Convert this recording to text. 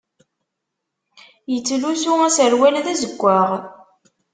Yettlussu aserwal d azeggaɣ.